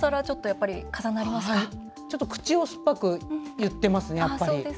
ちょっと口を酸っぱく言ってますね。